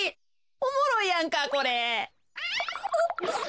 おもろいやんかこれ。